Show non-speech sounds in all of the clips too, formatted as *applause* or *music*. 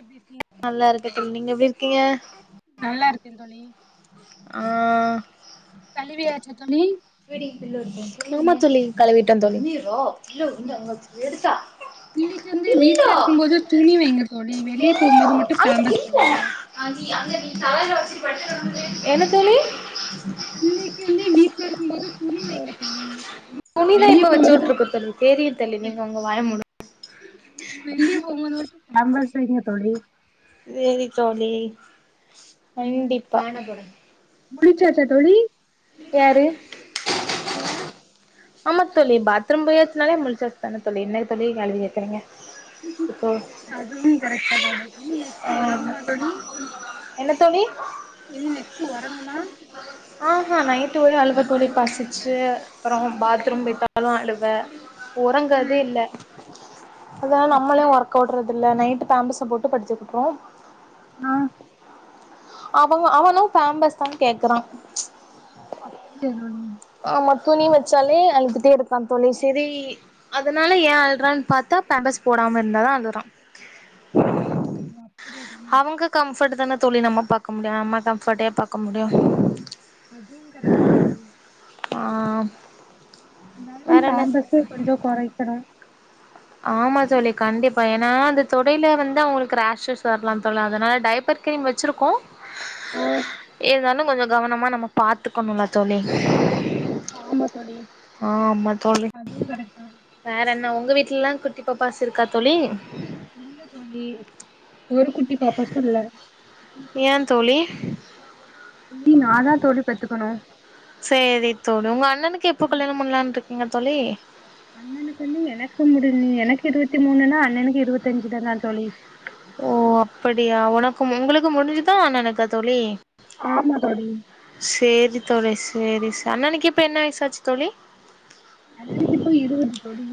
எப்டி இருக் நல்லா இருக்க *unintelligible* நீங்க எப்புடி இருக்கீங்க நல்லா இருக்கேன் தோழி ஆ கழுவியாச்சா தோழி *unintelligible* ஆமா தோழி கழுவிட்டன் தோழி பிள்ளைக்கு வந்து வீட்ல இருக்கும் போது துணி வைங்க தோழி வெளிய போகும்போது மட்டும் பேம்பர்ஸ் போடுங்க தலைல வச்சிட்டு படுத்து உறங்கு என்ன தோழி பிள்ளைக்கு வந்து வீட்ல இருக் துணிதா வெளிய இப்ப வச்சு போகும்போது விட்டுருக்கு தோழி தெரியும் தோழி நீங்க வெ- உங்க வாய மூடுங் பாம்பெர்ஸ் வைங்க தோழி செரி தோழி கண்டிப்பா ஃபான் போடு முழிச்சாச்சா தோழி யாரு என்ன ஆமா தோழி பாத்ரூம் போயாச்சனாலே முழிச்சாச்ச தான தோழி என்ன தோழி கேள்வி கேக்குறீங்க இப்போ அதுவும் கரெக்ட் தா தோழி இன்னு நெக்ஸ்ட ஓரங்கமா தோழி என்ன தோழி இனி நெக்ஸ்ட்ட் உரங்கமா ஆ அ நைட் ஒரே அழவ தோழி பசிச்சு அப்பறம் பாத்ரூம் போயிட்டாலா அலுவ உறங்கத ம் இல்ல அதன நம்மலே அப்டியா உறக்க விடுறது இல்ல நைட் பாம்பெர்ஸ் போட்டு படுத்துட்டு இருக்கோ ஆ அவங் அவனு பாம்பெர்சு தா கேக்குறா *unintelligible* ஆம துணி வச்சாலே அழுதுட்டே இருக்கா தோழி செரி அதனால ஏ அழுறான்னு பார்த்தா பேம்பஸ் போடாம இருந்தா தா அழுறா உ அப்படியா தோழி அவங்க கம்ஃபர்ட் தான தோழி நம்ம பாக்க முடியு நம்ம கம்ஃபர்ட்டே பாக்க முடியு அதுவும் கரெக்ட்தா தோழி ஆ தெனம் வேற என்ன பேம்பர்ஸ் கொஞ்சோ குறைக்கனு ஆமா தோழி கண்டிப்பா ஏனா அந்த தொடடைல வந்து அவுங்களுக்கு ரேஷஸ் வர்லாம் தோழி அதனால டையப்பர் கிரீம் வெச்சிருக்கோ ஆ எதானு கொஞ்சோ கவனமா நம்ம பாத்துக்கணும்ல்ல தோழி ஆமா தோழி ஆமா தோழி அதுவும் கரெக்ட்தா வேற என்ன உங்க வீட்ல எல்லா குட்டி பாப்பாஸ் இருக்கா தோழி இல்ல தோழி ஒரு குட்டி பாப்பாசு இல்ல ஏன் தோழி இனி நாதா தோழி பெத்துக்கணு சரி தோழி உங்க அண் ணனுக்கு எப்போ கல்யாணம் பண்ணலான்ற்று நீங்க தோழி அண்ணனுக்கு வந்து எனக்கு முடி்ஞ் எனக்கு இருபத்தி மூணுனா அண்ணனுக்கு இருவத் அஞ்சுதான தோழி ஓ அப்படியா உனக்கும் உங்களுக்கு முடிஞ்சுதா அண்ணனுக்கா தோழி ஆமா தோழி சேரி தோழி சேரி ஸ் அண்ணனுக்கு இப்ப என்ன வயசாச்சு தோழி அதுக்கு இப்ப இருபது கோடி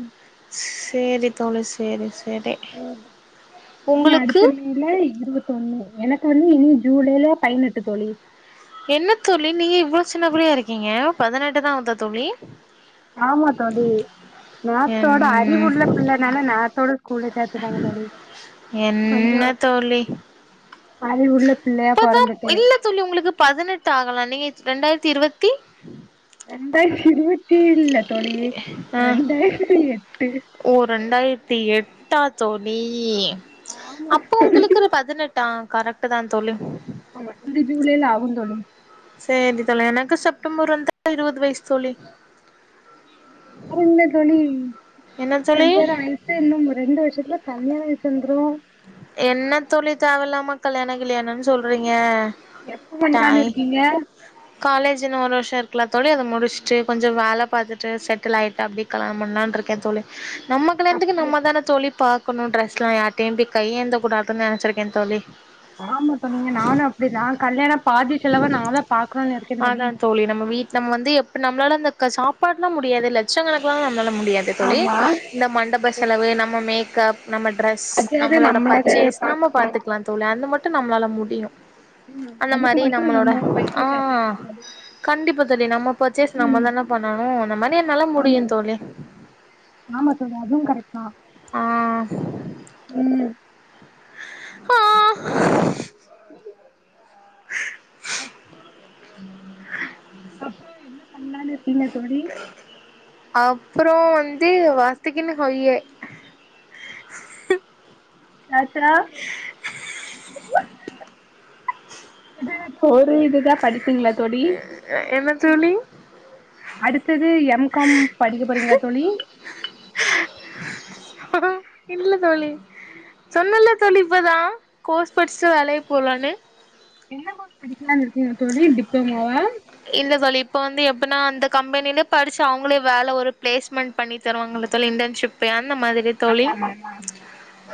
சேரி தோழி சேரி சேரி ஓ இனி உங்களுக்கு அடுத்த மேல இருவத்தொண்ணு எனக்கு வந்து இனி ஜூலைல பதினெட்டு தோழி என்ன தோழி நீங்க இவ்ளோ சின்ன புள்ளயா இருக்கீங்க பதினெட்டுதா ஆகுதா தோழி ஆமா தோழி என் நேத்தோட அறிவுள்ள பிள்ளைனால நேரத்தோட ஸ்கூல்ல சேத்துடாங்க தோழி என்ன கொஞ்சோ தோழி அறிவுள்ள பிள்ளையா இப்பதா பொறந்துட்டு இல்ல தோழி உங்களுக்கு பதினெட்டு ஆகல நீங்க ரெண்டாயிரத்தி இருவத்தி இரண்டாயிர இருவத்தி இல்ல தோழி ஆ ரெண்டாயிரத்தி எட்டு டா தோழி ஆமா அப்போ உங்களுக்கு ஒரு பதினெட் ஆ கரெக்ட்டுதா தோழி ஆமா இந்த ஜூலேல ஆகு தோழி செரி தோழி எனக்கு செப்டம்பர் வந்தா இருவது வயசு தோழி வேற என்ன தோழி என்ன தோழி கல்யாணம் ஆயிட்டு இன்னு ரெண்டு வருஷத்துல கல்யாண வயஸ் வந்துரு என்ன தோழி தேவ இல்லாம கல்யாண கில்யாணனு சொல்றீங்க எப்ப பண்லானு டாய் இருக்கீங்க காலேஜ் இன்னு ஒரு வருஷ இருக்குல தோழி அத முடிச்சுட்டு கொஞ்ச வேல பாத்துட்டு செடில் ஆய்டு அப்டி கல்யாணம் பண்ணலானு இருக்கே தோழி நம்ம கல்யாணத்துக்கு நம்ம தான தோழி பாக் பாக்கன்னு ட்ரெஸ்ல யார் தேம்பி கையேந்த கூடாதுனு நினச்சுருகே தோழி ஆம தோழி நானு அப்டிதா கல்யாணப் பாதி செலவ நாதப் அதா தோழி நம்ம வீட்ல நம்ம வந்து எப்படி நம்மளால சாப்பாடுல்லா முடியாது லட்சகணக்குலா நம்மலால முடியாது தோழி இந்த மண்டப செலவு நம்ம மேக்கப் நம்ம டிரெஸ் அதையாவது நம்மளோட நம்மளாவது பர்ச்சேஸ் நம்ம பாக்கணு பார்த்துகலா தோழி அது மட்டு நம்ளால முடியு உம் அதுக்கு மட்டும் நம்ம பைசா சேத்து அ வைக்கணு கண்டிப்பா தோழி நம்ம பர்ச்சேஸ் தோழி ம் நம்மதானே பண்ணணும் அந்த மாரி என்னால முடியும் தோழி ஆமா தோழி அதுவு கரெக்ட் தா ஆ ம் ஆ அப் அப்பறம் என்ன பண்ணாலான்னு இல்ல தோழி அப்பறம் வந்து வாஸ்துகின்னு ஒய்யே சாச்சா இது போ இதுதா படிப்பீங்களா தோழி என்ன தோழி அடுத்தது எம் காம் படிக்க போறீங்களா தோழி இல்ல தோழி சொன்ன இல்ல தோழி இப்பதா கோர்ஸ் படிச்சுட்டு வேலைய போலான்னு என்ன கோர்ஷ் படிக்கலா இருக் என்ன தோழி டிப்ளமோவா ப்ப நா அந்த கம்பெனிலே படிச்சு அவ்ங்களே வேல ஒரு ப்ளேஸ்மெண்ட் பண்ணி தருவாங்கல்ல தோழி இன்டன்ஷிப் ன்ன மாதிரி தோழி ஆமா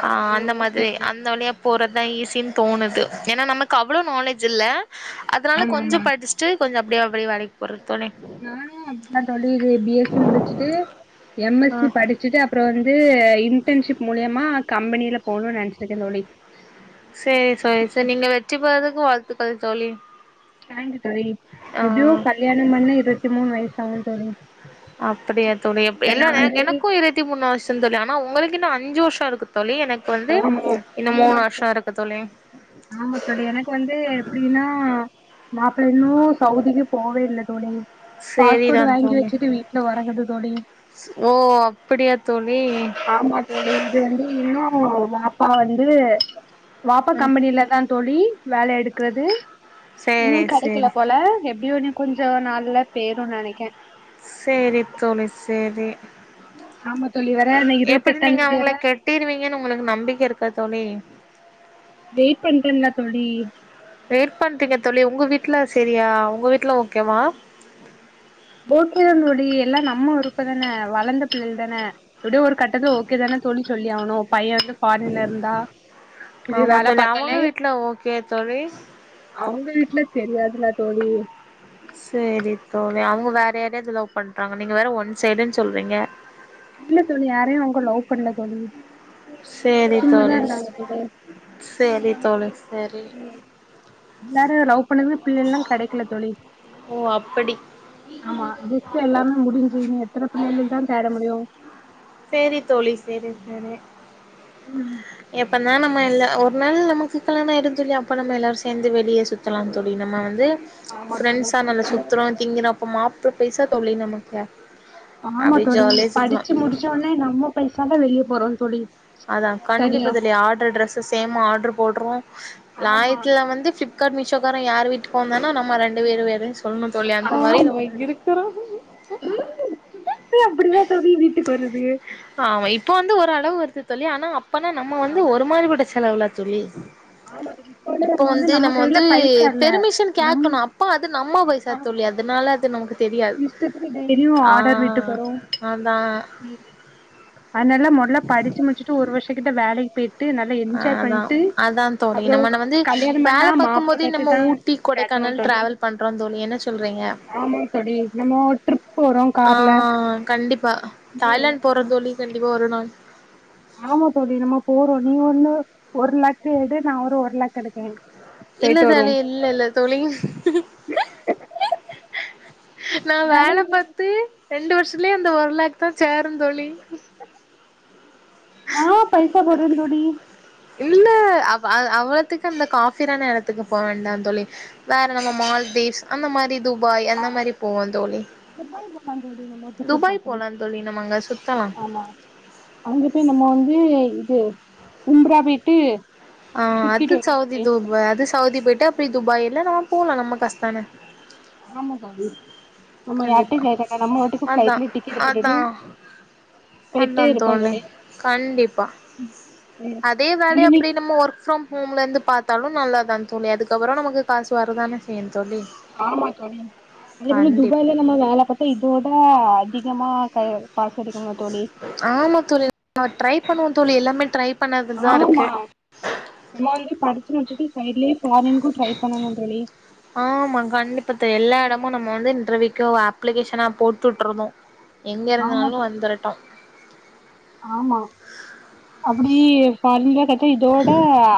ஆ அந்த மாதிரி அந்த வழியா போறத்தா ஈஸின் தோணுது ஏன்னா நமக்கு அவ்ளோ நாலேஜ் இல்ல அதனால ஆமா கொஞ்சம் படிச்சுட்டு கொஞ்ச அப்டியே அப்டே வேலைக் போற நானு *unintelligible* தோழி இது பி எஸ் சி முடிச்சுட்டு எம் ஆ எஸ் சி படிச்சுட்டு அப்பறொ வந்து இந் ன்டன்ஷிப் மூலியமா நா கம்பெனியில போணூன் நெனச்சிருக்க தோழி சேர் சோ சேரி நீங்க வெற்றி பெறதுக்கு வாழ் த்துக்கள் தோழி தைங்யூ தோழி ஆ எப்டியு கல்யாணம் பண்ணி இருவத்தி மூணு வைஸ் சவண் தோழி அப்டியா தோழி இப் எல்லா ஏன்னா ந வந்து எனக்கு இருவத்தி மூணு வர்ஷந் தோழி னா உங்களுக்கு இன்னோ அஞ்சு வர்ஷொ இருக்கு தோழி எனக்கு *inaudible* வந்து இன்னு மூணு வருஷோ மூனுவருஷம் இருக்கு தோழி ஆமா தோழி எனக்கு வந்து எப்புடின்னா மாப்பிள்ளை இன்னும் சவுதிக்கு போவே இல்ல தோழி பாஸ்போர்ட் சேரிதான் வாங்கி தோழி வச்சுட்டு வீட்ல ஒறங்குது தோழி ஓ அப்புடியா தோழி ஆமா தோழி இது வந்து இன்னும் வாப்பா வந்து வாப்பா கம்பெனில தான் தோழி வேல எடுக்குறது சேரி இன்னும் கடைக்கில சேரி போல எப் எப்டியும் இன்னும் கொஞ்சோ நாள்ல பேயிரும் நெனைக்கே சேரி தோழி சேரி ஆமா தோழி வேற இன்னு எப்புடி நீங்க இருவத்தெட்டாந்தேதி அவங்கள வேற கெட்டிருவீங்கன்னு உங்குளுக்கு நம்பிக்க இருக்கா தோழி வெயிட் பண்றன்ல்ல தோழி வெயிட் பண்றீங்க தோழி உங்க வீட்ல செரியா உங்க வீட்ல ஓகேவா *unintelligible* எல்லா நம்ம விருப்பந்தானே வளந்த பிள்ளைகள்தான எப்டியோ ஒரு கட்டத்துல ஓகே தானே தோழி சொல்லி ஆவணும் பையன் வந்து ஃபாரின்ல இருந்தா இது ஆமா வேல தோழி பாத்தாலே அவங்க வீட்ல ஓகே தோழி அவங்க வீட்ல தெரியாதுல்ல தோழி சேரி தோழி அவங்க வேற யாரையாவது லவ் பண்றாங்க நீங்க வேற ஒன் சைடுன் சொல்றீங்க இல்ல தோழி யாரையும் அவங்க லவ் பண்ல தோழி செரி சும்மாதா தோழிஸ் இருந்தாங்க தோழி செரி தோழி செ ரி எல்லாரு லவ் பண் பிள்ளைல்லா கெடைக்கல தோழி ஓ அப்படி ஆமா புக்ஸ் எல்லாமே முடிஞ்சு எத்தன பிள்ளைலைக்கு தா தேட முடியு சேரி தோழி சேரி ம் நா நம்ம எல் ஒரு நாள் நமக்கு கல்யண ஆயிரும் தோழி அப்போ நம்ம எல்லாரு சேர்ந்து வெளியே சுத்தலா தோழி நம்ம வந்து ஆமா தோழி பிரண்ட்ஸா நம்ம நம்மாண்ட சுத்துறோ திங்கறோ மாப்புல பைசா தோழி நமக்கு ஆமா அப்டியே தோழி ஜாலியா சுத்தலா படிச்சு முடிச்சோடனே நம்ம பைசாதா வெளியே போறோ தோழி அதா கண்டிப்பா தனியா தோழி ஆர்ட்ரு ட்ரெஸஸ் சேமா ஆட்ரு போட்றோம் ஆமா லாயத்துல வந்துப் ஃபிப் ளிப்கார்ட் மீஷோக்காரன் யார் வீட்டுக்கு வந்தானா நம்ம ரெண்டு பேர் பேரையும் ஸ் சொல்ணும் தோழி அந்த மாரி ஆமா நம்ம தோழி இருக்குறோம் இப்பயு அப்டிதா தோழி வீட்டுக்கு வருது ஆமா இப்ப வந்து ஒரளவு வருது தோழி ஆனா அப் ப்பன்னா நம்ம வந்து ஒரு மாரி விட ஸ் செலவிலா தோழி ஆமா தோழி இப்போல இப்ப வந்து நம்ம வந்து கையில பைசா இல்ல பெர்மிஷன் நம் கேக்கணும் அப்பா அது நம்ம வயசா ஆமா தோழி அதுனால அது நமக்கு தெரியாது இஷ்டத்துக்கு டெய்லியும் ஆ ஆர்டர் வீட்டுக்கு வரும் அதா ம் அதனால மொதல்ல படிச்சு முடிச்சுட்டு ஒரு வருஷக்கு இந்த வேலைக் போயிட் அ அதா அதா தோழி அப்றோ நம்ம நம்ம வந்து கல்யாணம் பண்ணா வேல மாப்பிள்ள பாக்கும்போது பேச்ச நம்ம தா ஊட்டி கேக்கணு கொடைக்கானல் தோழி டிராவல் பண்றோம் தோழி என்ன சொல்றீங்க இ நம்மோ ட்ரிப் போறோம் ஆ கார்ல கண்டிப்பா ம் தாய்லாந்து போறோ தோழி கண்டிப்பா ஒரு நாள் ஆமா தோழி நம்ம போறோ நீ வந்து ஒரு லேக்கு எடு நா ஒரு ஒரு லேக் எடுக்ககுற இல்ல தோழி இல்ல இல்ல தோழி நா வேல பாத்து ரெண்டு வருஷத்துலயே அந்த ஒரு லேக் தா சேரும் தோழி ஆ பைசா போட்றது தோழி இல்ல அவ் அ அவ்வளத்துக்கு அந்த காபிஃரான எடத்துக்கு போ வேண்டா தோழி வேற நம்ம மால்தீவ்ஸ் அந்த மாரி துபாய் அந்த மாரி போவோம் தோழி துபாய் போலா தோழி நம்ம டிக்கெட் துபாய் போட்டு போலான் தோழி நம்ம அங்க சுத்தலா து இது உம்ரா போய்ட்டு ஆ அது சவுதி துப்பாய் அது சவுதி போய்ட் க்க போய் துபாயில நம்ம போலா நம்ம காஸ்தான ஆமா தோழி நம்ம கண்டிப்பா யார்ட்டயு கேக்க வேண்டா நம்ம வாட்டுக்கு அதா ஃபிளைட்ல டிக்கெட் போட்டுட்டு அதா போயிட்டே அதா இருப்போ தோழி கண்டிப்பா ம் அதே வேலய எங்கயுமே அப்புடி நம்மோ ஒர்க் ஃபிரம் ஹோம்ல இருந்து பாத்தாலு நல்லாதா தோழி அதுக்கப்புறம் நமக்கு காசு வரதானே செய்யன் ஆமாங் தோழி ஏற்கனே கண்டிப் துபாய்லந் நம்ம வேல பாத்தா இதோட அதிகமா க காசு கிடைக்கும்ல தோழி ஆமா தோழி ம ட்ரை பண்ணோ தோழி எல்லாமே ட்ரை பண்ணதுல தா இருக்கு ஆமா எல்லாருமே படு *unintelligible* ஆமா கண்டிப்பா த்த எல்லா எடமு நம்ம வந்து இன்டர்வி க்யோ ஆப்ளிக்கேஷனா போட்டுட்றனு ஆமா கு ஆமா அப்புடி ஃபாரின்லா கட்ச்சா இதோட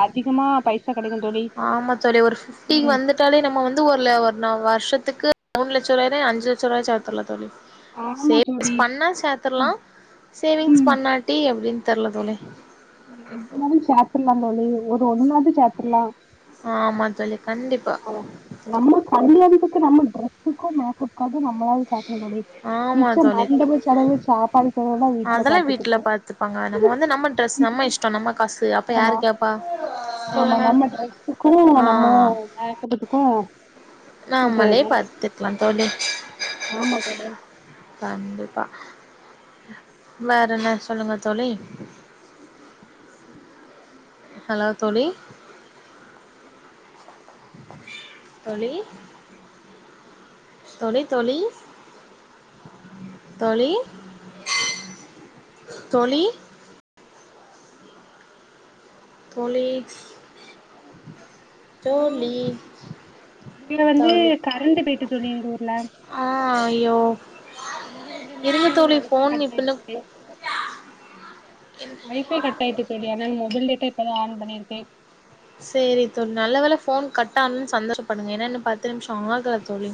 அதிகமா பைசா கெடைக்கு தோழி ஆமா தோழி ஒரு பிஃப்டி ம் வந்துட்டாலே நம்ம வந்து ஒருல ஒரு நா வர்ஷத் த்துக்கு மூணு லட்சச்சர்வாய்லே அஞ்சு லட்ச ரூவா சேத்தர்லா தோழி ஆமா சேவி்ங்ஸ் தோழி பண்ண சேத்தர்லா சேவிங்ஸ் பண்ணாட்டி எப்டின் தெர்ல தோழி எப்டினாலு செத்தர்லா தோழி ஒரு ஒன்னாது சேத்தர்லா ஆமா தோழி கண்டிப்பா ஆமா நம்ம கண் அடி நம்ம ட்ரெஸ்க்கு மேக்கஅப்காக நம் மாவு செத்தர்னுடே ஆமா மிச்ச தோழி மண்டப செலவு சாப்பாடு செலவுதா வீட்ல அதெல்லா வீட்ல பாத்துக்குட்டு பாத்துப்பாங்க கு அப்ப யாரு கேப்பா ஆமா சொல்லுங்க நம்ம ட்ரஸுக்கு நம்ம மோ மேக்கப்கு அ நம்மாலே பத்துக்கலா தோழி ஆமா தோழி கண்டிப்பா வேறென்ன சொல்லுங்க தோழி ஹலோ தோழி தோழி தோழி தோழி தோழி தோழி தோழி ஹலோ தோழி இங்க வந்து தோழி கரண்ட் போயிட்டு தோழி எங்ஊர்ல ஆ ஐயோ அதோட கொஞ்ச இருங்க நெட்டு தோழி ஒய்ஃபை ஃபோன் கட் ஆயிட்டு இப்பன்னு தோழி ஒய்ஃபை கட் ஆயிட்டு அத்னால மொபைல்லே இப்பதா ஆன் பண்ணிருக்கே சேரி தோழி நல்ல வேல ஃபோன் கட் ஆணுன் சந்தோஷப்படுங்க ஏன்னா இன்னு பத்து நிம்ஷோ ஆகாத் தோழி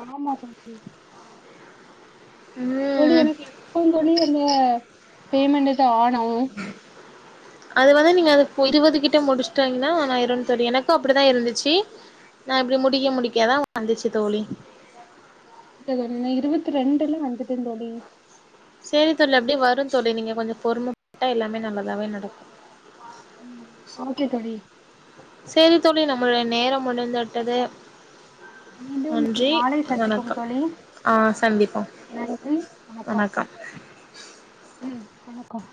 ஆமா தோழி தோழி ம் எனக்கு எப்போங் தோழி அந்த பேமெண்ட்டு தா ஆட் *unintelligible* அது வந்து நீங்க அதுக் போ இருவது கிட்ட முடிஸ்ட்டங்கன்னா எண்ணாயிறுங் தோழி எனக்கும் அப்புடிதா இருந்துச்சி நா இப்புடி முடிக்க முடிக்காதா வந்துச்சுத் தோழி *unintelligible* இருவத்தி ரெண்டுல வந்துட்ட தோழி சேரி தோழி அப்டியே வரும் தோழி நீங்க கொஞ்சம் பொறும *unintelligible* எல்லாமே நல்லதாவே நடக்கு ம் ஓகே தோழி சேரி தோழி நம்மளுடைய நேரம் முடிந்து விட்டது மீண்டும் நன்றி நாளை சந்திப்போம் வணக்கம் தோழி ஆ சந்திப்போம் வணக்கம் ம் வணக்கம்